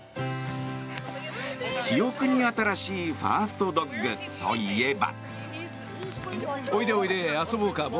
記憶に新しいファーストドッグといえば。